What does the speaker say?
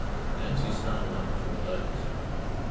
Nancy started up from a doze.